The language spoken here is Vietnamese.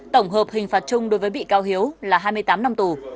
tổng hợp hình phạt chung đối với bị cáo hiếu là hai mươi tám năm tù